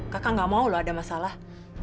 kakak gak mau loh ada masalah